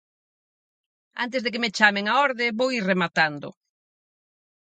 Antes de que me chamen á orde vou ir rematando.